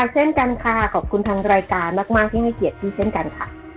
เช่นกันค่ะขอบคุณทางรายการมากที่ให้เกียรติพี่เช่นกันค่ะ